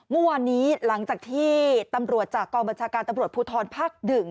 เมื่อวันนี้หลังจากที่ตำรวจจากกองบริษัการณ์ตำรวจภูทรภักดึง